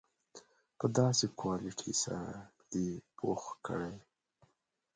په داسې کوالیټي سره دې پوخ کړي.